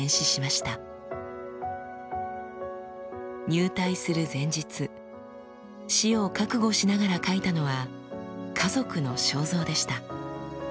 入隊する前日死を覚悟しながら描いたのは家族の肖像でした。